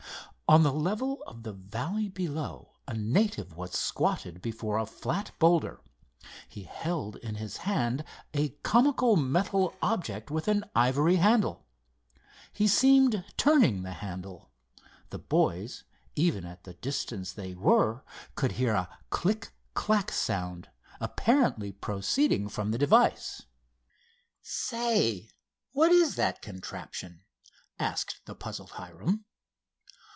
On the level of the valley below a native was squatted before a flat boulder. He held in his hand a comical metal object with an ivory handle. He seemed turning the handle. The boys, even at the distance they were, could hear a click clack sound, apparently proceeding from the device. "Say, whatever is that contraption?" asked the puzzled Hiram.